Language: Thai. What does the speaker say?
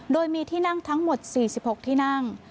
โดยมีที่นั่งทั้งหมด๔๖ที่นั่ง